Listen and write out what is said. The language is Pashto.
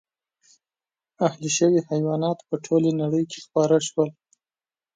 اهلي شوي حیوانات په ټولې نړۍ کې خپاره شول.